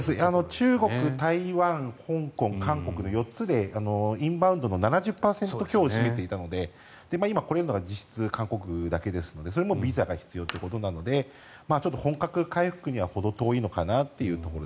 中国、台湾、香港韓国の４つでインバウンドの７０％強を占めていたので今は実質、韓国だけですのでそれもビザが必要ということなのでちょっと本格回復にはほど遠いのかなと。